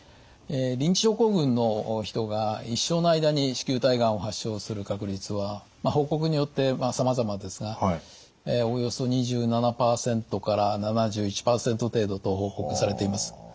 リンチ症候群の人が一生の間に子宮体がんを発症する確率は報告によってさまざまですがおよそ２７％から７１％程度と報告されています。